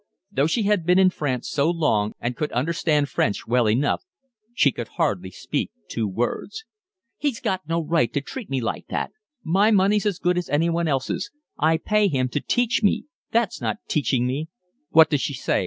Though she had been in France so long and could understand French well enough, she could hardly speak two words. "He's got no right to treat me like that. My money's as good as anyone else's. I pay him to teach me. That's not teaching me." "What does she say?